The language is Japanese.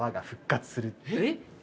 えっ？